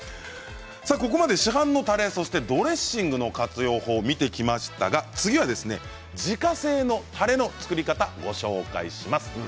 ここまで市販のたれやドレッシングの活用法を見てきましたが次は自家製のたれの作り方をご紹介します。